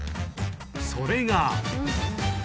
それが。